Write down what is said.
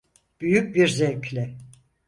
Büyük bir zevkle.